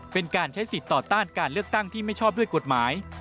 เป็นการใช้สิทธิ์ต่อต้านการเลือกตั้งที่ไม่ชอบด้วยกฎหมาย